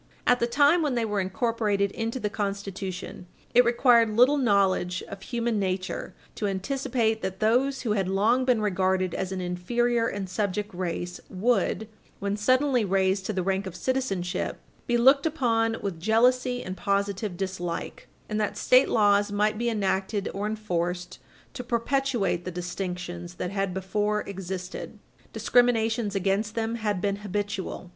At the time when they were incorporated into the Constitution, it required little knowledge of human nature to anticipate that those who had long been regarded as an inferior and subject race would, when suddenly raised to the rank of citizenship, be looked upon with jealousy and positive dislike, and that State laws might be enacted or enforced to perpetuate the distinctions that had before existed. discriminations against them had been habitual.